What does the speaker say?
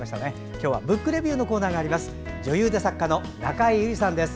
今日は「ブックレビュー」のコーナーがあります。